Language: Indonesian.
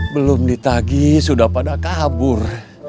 belum ditagi sudah pada kabur